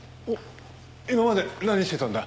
今まで何してたんだ？